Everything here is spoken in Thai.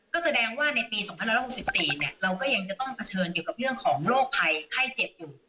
ก็แสดงว่าในปีสองพันห้าร้อยหกสิบสี่เนี่ยเราก็ยังจะต้องเผชิญอยู่กับเรื่องของโรคภัยไข้เจ็บอยู่